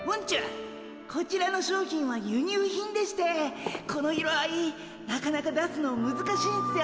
こちらの商品は輸入品でしてこの色合いなかなか出すのむずかしいんすよ。